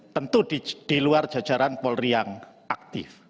tentu di luar jajaran polri yang aktif